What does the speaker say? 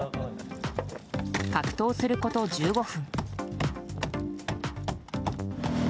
格闘すること１５分。